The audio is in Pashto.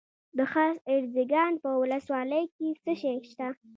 د خاص ارزګان په ولسوالۍ کې څه شی شته؟